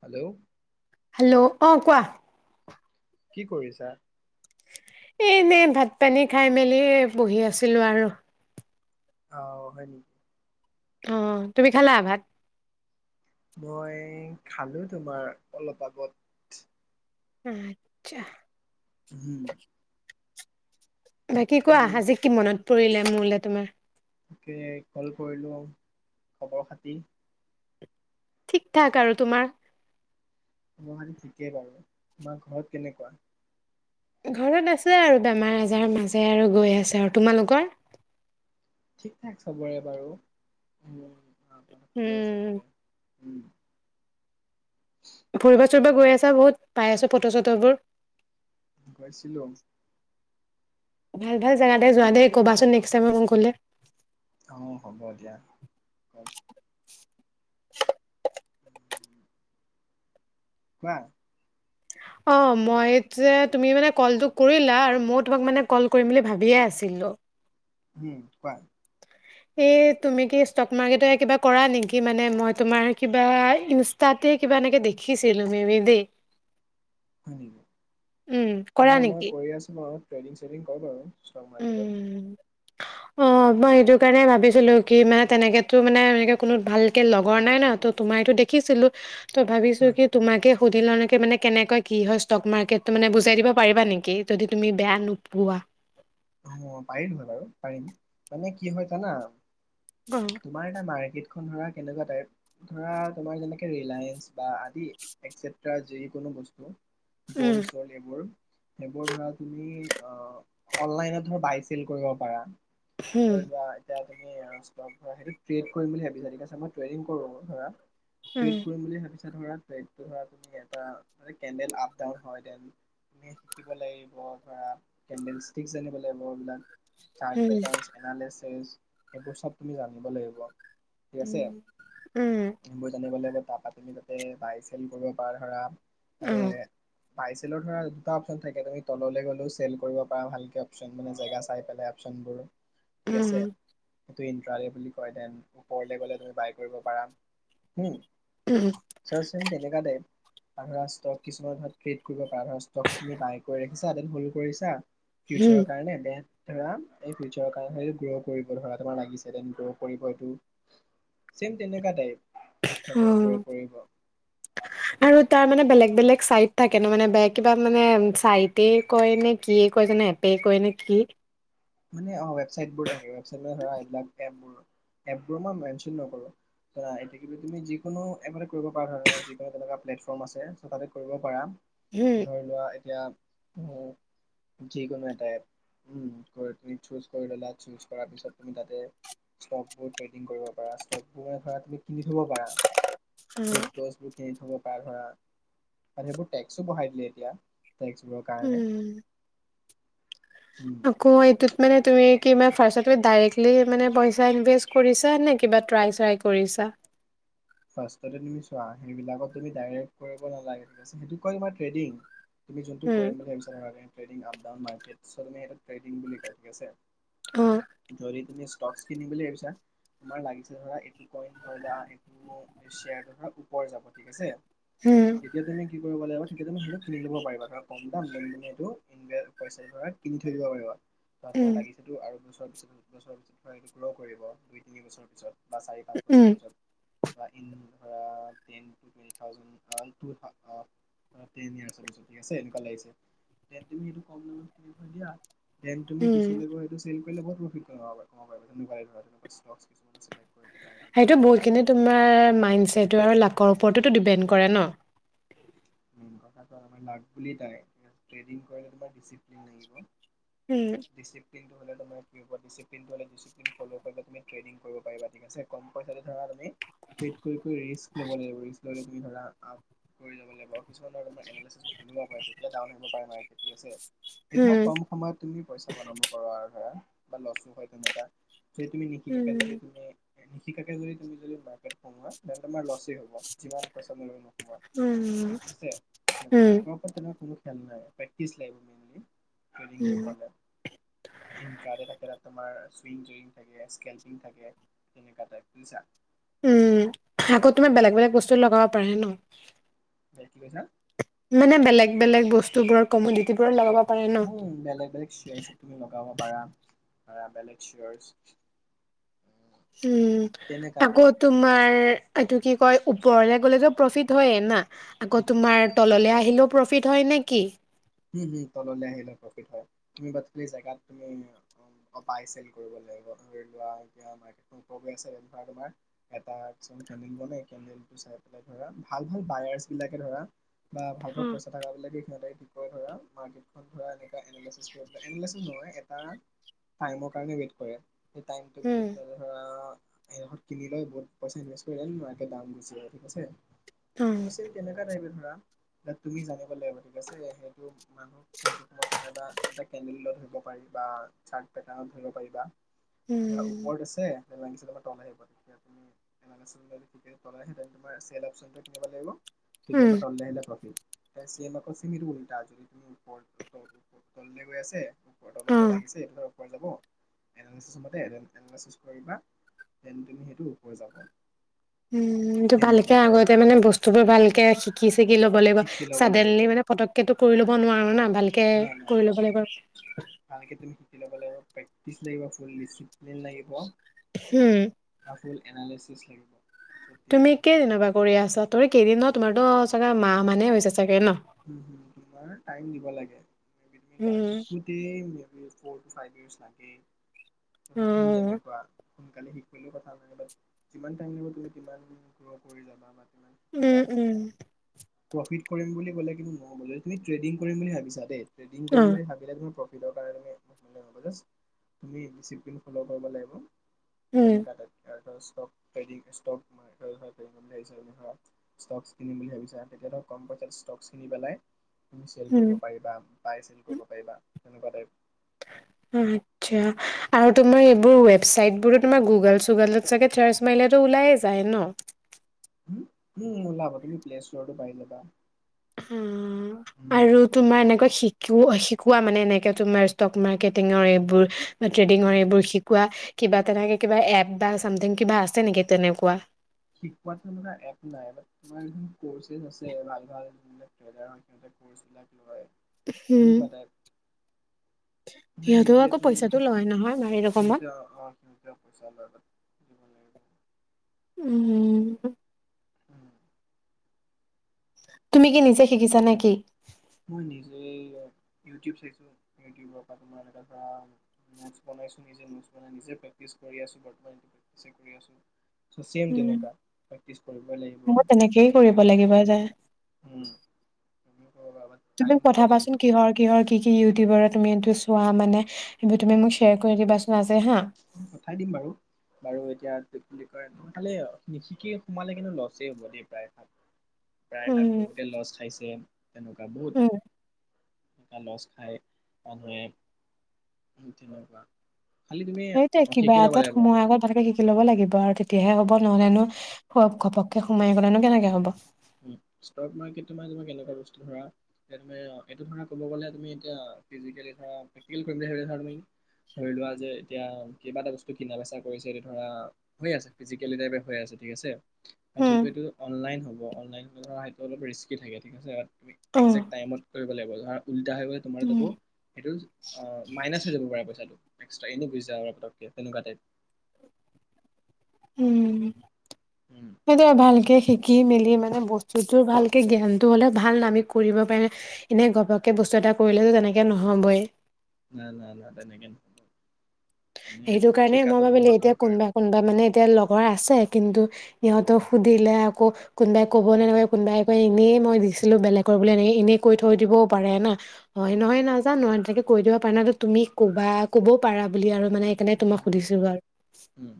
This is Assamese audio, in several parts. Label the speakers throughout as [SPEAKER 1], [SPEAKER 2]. [SPEAKER 1] হেল্ল
[SPEAKER 2] হেল্ল' অহ কোৱা
[SPEAKER 1] কি কৰিছা
[SPEAKER 2] এ এনে ভাত পানী খাই মেলিয়ে বহি আছিলো আৰু
[SPEAKER 1] অহ হয় নেকি
[SPEAKER 2] অহ তুমি খালা ভাত
[SPEAKER 1] মই খালো তোমাৰ, অলপ আগত
[SPEAKER 2] আ আটচ্ছা
[SPEAKER 1] হম
[SPEAKER 2] বাকী কোৱা, আজি কি মনত পৰিলে মোলে তোমাৰ
[SPEAKER 1] তাকে ক'ল কৰিলো আৰু খবৰ খাটি
[SPEAKER 2] ঠিকঠাক আৰু তোমাৰ
[SPEAKER 1] মোৰো ঠিকে বাৰু তোমাৰ ঘৰত কেনেকুৱা
[SPEAKER 2] ঘৰত আছে আৰু বেমাৰ-আজাৰ মাজেৰে আৰু গৈ আছে আৰু তোমালোকৰ
[SPEAKER 1] ঠিকঠাক চবৰে বাৰু, হম [unintelligible] ভালে
[SPEAKER 2] উম
[SPEAKER 1] চবে
[SPEAKER 2] ফুৰিবো চুৰিবো গৈ আছা বহুত, পাই আছো ফটো চতোবোৰ
[SPEAKER 1] গৈছিলো
[SPEAKER 2] ভাল ভাল জেগাতে যোৱা
[SPEAKER 1] উম
[SPEAKER 2] দে কবাচোন নেকষ্ট টাইমত মোক গ'লে
[SPEAKER 1] অ হ'ব দিয়া কোৱা
[SPEAKER 2] অ মই যে, তুমি মানে ক'লটো কৰিলা আৰু মও তোমাক মানে ক'ল কৰিম বুলি ভাবিয়ে আছিলো
[SPEAKER 1] উম কোৱা
[SPEAKER 2] এ, তুমি কি ষ্টক মাৰ্কেটয়ে কিবা কৰা নেকি, মানে মই তোমাৰ কিবা, ইনষ্টাতে কিবা এনেকে দেখিছিলো মে বি দেই
[SPEAKER 1] উম্
[SPEAKER 2] উম, কৰা
[SPEAKER 1] অ মই
[SPEAKER 2] নেকি?
[SPEAKER 1] কৰি আছো বাৰু ট্ৰেডিং স্ৰেডিং কৰো বাৰু ষ্টক মাৰ্কেটত
[SPEAKER 2] উম, অ মই এইটোৰ কাৰণে ভাবিছিলো কি, মানে তেনেকেটো মানে এনেকে ভালকে লগৰ নাই না তোমাৰ এইটো দেখেছিলো টো ভাবিছো কি তোমাকেই সুধিলোওঁ নেকি মানে কেনেকৈ কি হয় ষ্টক মাৰ্কেটটো মানে বুজাই দিব পাৰিবা নেকি যদি, তুমি বেয়া নোপোৱা
[SPEAKER 1] অ পাৰিম বাৰু পাৰিম, মানে কি হয় জানা
[SPEAKER 2] অ'
[SPEAKER 1] তোমাৰ এনে মাৰ্কেট সেইখন ধৰা কেনেকুৱা টাইপ, ধৰা তোমাৰ যেনেকে ৰিলায়েঞ্চ বা আদি একছেটৰা যি কোনো বস্তু
[SPEAKER 2] উম,
[SPEAKER 1] গল্ড চল্ড এইবোৰ সেইবোৰ ধৰা তুমি আ অনলাইনত ধৰ বাই চেল কৰিব পাৰা
[SPEAKER 2] হুম,
[SPEAKER 1] ধৰিলোৱা এতিয়া তু [unintelligible] সেইটো ট্ৰেড কৰিম বুলি ভাবিছা নেকি, আচ্ছা মই ট্ৰেডিং কৰো ধৰা
[SPEAKER 2] উম,
[SPEAKER 1] ট্ৰেড কৰিম বুলি ভাবিছা এ ধৰা কি এটা মানে কেণ্ডেল আপ ডাউন হয় দেন তুমি শিকিব লাগিব ধৰা candles [unintelligible] sir patterns, analysis
[SPEAKER 2] um,
[SPEAKER 1] এইবোৰ চব তুমি জানিব লাগিব। ঠিক আছে
[SPEAKER 2] উম উম।
[SPEAKER 1] সেইবোৰ [unintelligible] বাই [unintelligible] কৰিব পাৰা ধৰা। [inaudible] [unintelligible]
[SPEAKER 2] অ',
[SPEAKER 1] দুটা অপশ্যন থাকে একেবাৰে তললৈ গলেও চেল কৰিব পাৰা ভাল কেপশ্বন মানে জেগা চাই পেলাই কেপশ্যনবোৰ ঠিক আছে?
[SPEAKER 2] উম,
[SPEAKER 1] [unintelligible] বুলি কয়। দেন, ঘৰলে গ'লে তুমি বাই কৰিব পাৰা। হম!
[SPEAKER 2] উম,
[SPEAKER 1] চোৱাচোন, তেনেকুৱা টাইপ [unintelligible] ছা ফিউচাৰৰ কাৰণে
[SPEAKER 2] উম,
[SPEAKER 1] দেন ধৰা, এই ফিউচাৰৰ কাৰণে গ্ৰ' কৰিব ধৰা, তোমাৰ লাগিছে। দেনটো কৰিবয়েই তু। ছেম, তেনেকুৱা টাইপ তোমাৰ
[SPEAKER 2] অ',
[SPEAKER 1] গ্ৰ' কৰিব
[SPEAKER 2] আৰু তাৰমানে বেলেগ বেলেগ ছাইট থাকে ন? মানে, বেলেগ কিবা, মানে, ছাইটে কয় নে, কিয়ে কয় জানো। এপে কয় নে কি
[SPEAKER 1] মানে, অ', ৱেবছাইটবোৰ থাকে। ৱেবছাইটৰ ধৰা এইবিলাক এপবোৰ এপবোৰ মই মেনশ্বন নকৰোঁ। ধৰা, এ [unintelligible] কি বুলি। তুমি যিকোনো এপতে কৰিব পাৰা। যিকোনো তেনেকুৱা প্লেটফৰ্ম আছে, তাতে কৰিব পাৰা
[SPEAKER 2] উম
[SPEAKER 1] ধৰি লোৱা এ বেয়া, উম। যিকোনো এটা এপ। উম। গৈ তুমি চুজ কৰি ল'লা। চুজ কৰাৰ পিছত তুমি তাতে ষ্টকবোৰ ট্ৰেডিং কৰিব পাৰা। ষ্টকবোৰে, ধৰা, তুমি কিনি থ'ব পাৰা।
[SPEAKER 2] উম
[SPEAKER 1] ক্ৰিপ্ট'জবোৰ কিনি থ'ব পাৰা ধৰা, আৰে, সেইবোৰ টেক্সো বঢ়াই দিলে এতিয়া টেক্সবোৰৰ, কাৰণে
[SPEAKER 2] উম
[SPEAKER 1] উম
[SPEAKER 2] আকৌ এইটোত মানে তুমি কিবা ফাৰ্ষ্টতে তুমি ডাইৰেক্টলি মানে পইচা ইনভেষ্ট কৰিছা নে কিবা ট্ৰাই-শ্ৰাই কৰিছা?
[SPEAKER 1] ফাৰ্ষ্টতে তুমি চোৱা এইবিলাকত তুমি ডাইৰেক্ট কৰিব নালাগে, ঠিক আছে। সেইটো কয় তোমাৰ ট্ৰেডিং। তুমি যোন্তু
[SPEAKER 2] উম
[SPEAKER 1] কৰিম বুলি ভাবিছা নালাগে। ট্ৰেডিং আপ ডাউন হয়। [inaudible] ট্ৰেডিং বুলি কয় ঠিক আছে।
[SPEAKER 2] অ'।
[SPEAKER 1] যদি তুমি ষ্টকছ কিনিম বুলি ভাবিছা? তোমাৰ লাগিছে নে নাই এইটো [unintelligible] তোমাৰ [unintelligible] যাব ঠিক আছে?
[SPEAKER 2] উম
[SPEAKER 1] তেতিয়া তুমি কি কৰিব লাগিব তেতিয়া তুমি সেই সেইটো কিনি ল'ব পাৰিবা কাৰন কম দাম দেন তুমি এইটো [unintelligible] কিনি থৈ দিব পাৰিবা, বা তোমাৰ
[SPEAKER 2] উম
[SPEAKER 1] লাগি থাকিব আৰু [unintelligible] বা চাৰি পাঁচ বছৰ
[SPEAKER 2] উম
[SPEAKER 1] পিছত। বা ইন ধৰা ten to twenty thousand to ten ইয়াৰ্চৰ পিছত ঠিক আছে এনেকুৱা লাগিছে দেন তুমি সেইটো কম দামত কিনি থৈ দিয়া দেন তুমি
[SPEAKER 2] উম
[SPEAKER 1] পিছলৈ গৈ সেইটো চেল কৰিলে বহুত প্ৰফিট কমাব কমাব পাৰিবা তেনেকুৱাই ধৰা তেনেকুৱা ষ্টকছ কিছুমানো চিলেক্ট হেৰি কৰিব পৰা
[SPEAKER 2] মাইন চেটৰ আৰু লাকৰ ওপৰতো দ্বিপেন্দ কৰে ন?
[SPEAKER 1] [unintelligible] ট্ৰদিং কৰিলে তোমাৰ ডিচিপ্লীন লাগিব।
[SPEAKER 2] উম
[SPEAKER 1] দিচিপ্লিনটো হলে তোমাৰ [inaudible] [unintelligible] ট্ৰেডিং কৰিব পাৰিব ঠিক আছে, কম পইচাতে ধৰা তুমি ট্ৰেড কৰি কৰি ৰিস্ক লব লাগিব, ৰিস্ক ললে [unintelligible] [unintelligible] [unintelligible] [unintelligible] আছে। হেদিনা
[SPEAKER 2] উম
[SPEAKER 1] কম সময়ত তুমি পইচা বনাব পাবা আৰু ধৰা বা লচ নহয় তেনেকা। যদি তুমি নিশিকাকে, যদি
[SPEAKER 2] উম
[SPEAKER 1] তুমি নিশিকাকে যদি তুমি যদি, বাৰগেন কৰোৱা, দেন তোমাৰ লচ এ হব, যিমান। [unintelligible]
[SPEAKER 2] উম।
[SPEAKER 1] [unintelligible]
[SPEAKER 2] উম
[SPEAKER 1] [unintelligible] পেক্টিচ লাগিব মেনলি। ট্ৰেডিং
[SPEAKER 2] উম
[SPEAKER 1] কৰিব হলে, ইণ্ট্ৰা ডে থাকে তাত তোমাৰ স্বিং ট্ৰেডিং থাকে, স্কেলপিং থাকে, তেনেকা টাইপ, বুইছা?
[SPEAKER 2] উম, আকৌ তোমাৰ বেলেগ বেলেগ বস্তুত লগাব পাৰে ন?
[SPEAKER 1] হয়, কি কৈছা?
[SPEAKER 2] মানে বেলেগ বেলেগ বচ টোবোৰৰ কমদিটিবোৰত লগাব পাৰে ন?
[SPEAKER 1] উম বেলেগ বেলেগ শ্বেয়াৰ্চত তুমি লগাব পাৰা বেলেগ চিয়াৰচ
[SPEAKER 2] উম তাকো তোমাৰ, ৰ এটো কি কয় ওপৰলৈ গলেটো পফিত হয়ে না, আকৌ
[SPEAKER 1] উম
[SPEAKER 2] তোমাৰ তললৈ আহিলেও পৰফিত হয় নে কি?
[SPEAKER 1] হম হম তললৈ আহিলে প্ৰফিট হয়, বাত প্লিছ জেগাত অঁ পাইছিল কৰিবলে [unintelligible] ভাল ভাল বায়াৰচ বিলাকে ধৰা বা ভাল ভাল
[SPEAKER 2] উম
[SPEAKER 1] পইচা থাকাবিলাকে, ধৰা মাৰ্কেটখন ঘূৰাই [unintelligible] [unintelligible] নহয় এটা টাইমৰ কাৰণে ৱেইট কৰে [unintelligible] [unintelligible] বহুত
[SPEAKER 2] অ
[SPEAKER 1] পইছা ইনভেষ্ট কৰে দেন মাৰ্কেট ডাউন গুচি যায় ঠিক আছে [unintelligible] তুমি জানিব লাগিব ঠিক আছে [unintelligible] [unintelligible]
[SPEAKER 2] উম
[SPEAKER 1] ওপৰত আছে [unintelligible]
[SPEAKER 2] উম
[SPEAKER 1] [unintelligible] চেইম আকৌ [unintelligible] তললে গৈ আছে
[SPEAKER 2] অ
[SPEAKER 1] [unintelligible] লাগিছে ধৰক [unintelligible]
[SPEAKER 2] উম ভালকে আগতে মানে বস্তুবোৰ ভালকে শিকি। শিকি ল'ব লাগিব
[SPEAKER 1] শিকি ল'ব লাগিব
[SPEAKER 2] চাদেনলী মানে পতকেটো কৰি ল'ব নোৱাৰো। না ভালকে
[SPEAKER 1] না না
[SPEAKER 2] কৰি
[SPEAKER 1] না
[SPEAKER 2] ল'ব
[SPEAKER 1] না
[SPEAKER 2] লাগিব আৰু
[SPEAKER 1] ভালকে তুমি শিকি ল'ব লাগিব প্ৰেকটিছ লাগিব [unintelligible] [unintelligible] লাগিব [unintelligible]
[SPEAKER 2] উম
[SPEAKER 1] [unintelligible] এনালাইচিচ লাগিব।
[SPEAKER 2] তুমি
[SPEAKER 1] তেতিয়াহে
[SPEAKER 2] কিয় এনেকুৱা কৰি আছ [unintelligible] কেইদিননো তোমাৰটো চাগে মাহমানহে হৈছে চাগে ন
[SPEAKER 1] [unintelligible] টাইম দিব লাগে [unintelligible]
[SPEAKER 2] উম
[SPEAKER 1] ফৰ ফাইভ ইয়েৰছ লাগেই।
[SPEAKER 2] অ
[SPEAKER 1] [unintelligible] [unintelligible] বাট যিমান টাইম লাগিব তুমি সিমান গ্ৰ কৰি যাবা তিমান শিকিবা
[SPEAKER 2] [unintelligible]
[SPEAKER 1] প্ৰফিট কৰিম বুলি ক'লে তুমি ট্ৰেডিং কৰিম বুলি ভাবিছা দেই ট্ৰেডিং কৰিম
[SPEAKER 2] অ',
[SPEAKER 1] বুলি ভাবিলে ধৰ প্ৰফি।
[SPEAKER 2] উম,
[SPEAKER 1] [unintelligible] [inaudible] ষ্টক, ট্ৰেডিং [unintelligible] ষ্টকছ কিনিম বুলি ভাবিছা তেতিয়া ক'ম পইছাত ষ্টক ছ কিনি পেলাই চেল
[SPEAKER 2] উম,
[SPEAKER 1] কৰিব পাৰিবা, বাই-চেল কৰিব পাৰিবা। [unintelligible]
[SPEAKER 2] উম আচ্ছা আৰু তোমাৰ এইবোৰ ৱেবচাইট বোৰো তোমাৰ গুগল-চুগলত চাগে চাৰ্চ মাৰিলে টো ওলাইয়ে যায় ন?
[SPEAKER 1] হম্ ওলাব, তুমি প্লে ষ্ট'ৰটো পাৰি [unintelligible] পাৰা।
[SPEAKER 2] হম্ আৰু তোমাৰ এনেকৈ শিকা [unintelligible] শিকোৱা মানে এনেকে তোমাৰ ষ্টক মাৰ্কেটিঙৰ এপ বোৰ, ট্ৰেদিঙৰ এপ বোৰ শিকোৱা কিবা তেনেকে কিবা এপ বা চামথিং কিবা আছে নেকি তেনেকুৱা?
[SPEAKER 1] শিকোৱা টো মানে এপ নাই, তোমাৰ [unintelligible] বা এনেকুৱা [unintelligible] ক'ৰ্ছ বিলাক লয়
[SPEAKER 2] হম্।
[SPEAKER 1] সেনেকুৱা টাইপ কিন্তু
[SPEAKER 2] সিহঁতেও
[SPEAKER 1] নিজে
[SPEAKER 2] আকৌ
[SPEAKER 1] তুমি
[SPEAKER 2] পইছা টো
[SPEAKER 1] সি-
[SPEAKER 2] লয় নহয়। মাৰি ৰকমত।
[SPEAKER 1] [unintelligible] সেইটোৱে
[SPEAKER 2] উম্।
[SPEAKER 1] উম,
[SPEAKER 2] তুমি কি নিজে শিকিছা নেকি?
[SPEAKER 1] মই নিজেই ইউটিউব চাইছোঁ, ইউটিউবৰ পৰা [unintelligible] নোটছ বনাইছোঁ, নিজে নোটছ বনাই নিজে প্ৰেক্টিচ কৰি আছোঁ [unintelligible]
[SPEAKER 2] উম,
[SPEAKER 1] তেনেকা প্ৰেক্টিচ কৰিবই লাগিব
[SPEAKER 2] মই তেনেকেই কৰিব লাগিব
[SPEAKER 1] উম। কৰিবা বাট
[SPEAKER 2] তুমি
[SPEAKER 1] টাইম দিব
[SPEAKER 2] পথাবা
[SPEAKER 1] লাগিব
[SPEAKER 2] চোন, কিহৰ কিহৰ কি কি ইউটিউবৰ তুমি এইটো চোৱা মানে, এইবোৰ তুমি মোক শ্বেয়াৰ কৰি দিবাচোন আজি হা।
[SPEAKER 1] পঠাই দিম বাৰু, বাৰু এতিয়া [unintelligible] নিশিকি সোমালে কিন্তু, লছেই হ'ব দেই প্ৰায়।
[SPEAKER 2] উম,
[SPEAKER 1] প্ৰায়ভাগ
[SPEAKER 2] উম।
[SPEAKER 1] বহুতে লছ খাইছে। [inaudible] এনেকুৱা বহুত
[SPEAKER 2] উম,
[SPEAKER 1] [unintelligible] লছ খাই মানুহে [unintelligible]
[SPEAKER 2] হেইটোৱে কিবা
[SPEAKER 1] শিকি ল'ব
[SPEAKER 2] এটাত
[SPEAKER 1] লাগিব।
[SPEAKER 2] সোমোৱাৰ আগত ভালকে শিকি ল'ব লাগিব আৰু তে তিয়াহে হ'ব নহ'লে নো ঘপককে সোমাই গ'লেনো কেনেকে হ'ব?
[SPEAKER 1] ষ্টক মাৰ্কেট তোমাৰ কেনেকুৱা বস্তু ধৰা [unintelligible] ধৰি লোৱা যে এতিয়া কিবা এটা বস্তু কিনা-বেচা কৰিছে ধৰা হয় আছে [unintelligible] যোনটো
[SPEAKER 2] অ',
[SPEAKER 1] এটো অনলাইন হ'ব অনলাইন ধৰা এইটো অলপ ৰিস্কী থাকে ঠিক আছে,
[SPEAKER 2] উম,
[SPEAKER 1] এগজেক্ট টাইমত কৰিব লাগিব [unintelligible] তোমাৰ তাকো
[SPEAKER 2] উম।
[SPEAKER 1] এইটো মাইনাছ হৈ যাব পাৰে পইছাটো [unintelligible] তেনেকুৱা টাইপ।
[SPEAKER 2] উম্।
[SPEAKER 1] উম,
[SPEAKER 2] এ দিয়া ভালকে শিকি শিকি মেলি মানে বস্তুটোৰ ভালকে জ্ঞান টো হ'লে ভাল, আমি কৰিব পাৰিম! এনে ঘপককে বস্তু এটা কৰিলেতো তেনেকে নহ'বই।
[SPEAKER 1] উম উম তেনেকেই
[SPEAKER 2] সেইটো কাৰণে মই ভাবিলোঁ এতিয়া কোনোবা কোনোবা লগৰ আছে কিন্তু! সিহঁতক সুধিলে আকৌ কোনোবা কোনোবাই কয় ইনে নয় বিছিলো বেলেগৰ বুলি অনে এইনেকৈ থৈ দিব পাৰে ন নহয় নহয় নহয় নহয় তেনেকৈ কৈ দিব পাৰে না তুমি ক'ব পাৰা বুলি আৰু মানে। মানে তোমাক সুধিছিলো আৰু।
[SPEAKER 1] উম,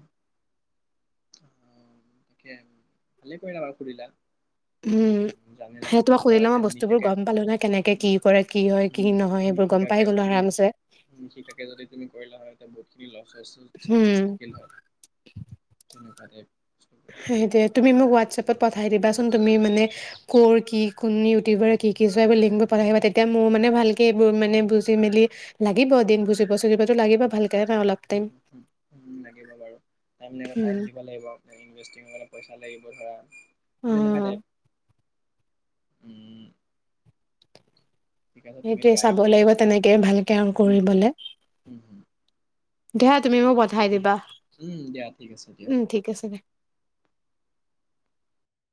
[SPEAKER 1] ভালেই কৰিলা মোক সুধিলা।
[SPEAKER 2] উম সেই তোমাক সুধিলে মই বস্তুবোৰ গম পালো না কেনেকে কি কৰে কি হয় কি নহয় এইবোৰ গম পাই গ'লো আৰামছে উম
[SPEAKER 1] [unintelligible] [inaudible]
[SPEAKER 2] সেইটোৱে তুমি মোক হোৱাট্‌ছএপ পঠাই দিবাছোন তুমি মানে কৰ কি কোন ইউটিউবাৰে কি কি কৰে লিংক দিব পাৰে তেতিয়া মোৰ ভালকৈ বুজি মেলি লাগিব দিন বুজিব চলিবটো লাগিব ভালকৈ।
[SPEAKER 1] লাগিব বাৰু টাইম দিব লাগিব। অলপ পইচা লাগিব ধৰা। কেনেকা
[SPEAKER 2] উম।
[SPEAKER 1] টাইপ হমম।
[SPEAKER 2] সেইটো চাব
[SPEAKER 1] কৰিবা
[SPEAKER 2] লাগিব ভালকৈ আৰ্ণ
[SPEAKER 1] উম,
[SPEAKER 2] কৰিবলে।
[SPEAKER 1] উম, উম,
[SPEAKER 2] [inaudible] তুমি মোক পঠাই
[SPEAKER 1] উম,
[SPEAKER 2] দিবা
[SPEAKER 1] উম, দিয়া ঠিক আছে দিয়া।
[SPEAKER 2] উম ঠিক আছে।